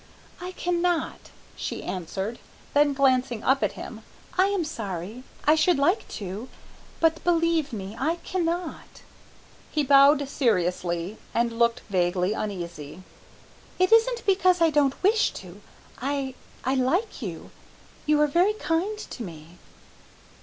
"I cannot," she answered. Then glancing up at him, "I am sorry; I should like to; but believe me. I cannot." He bowed seriously and looked vaguely uneasy. "It isn't because I don't wish to. I I like you; you are very kind to me."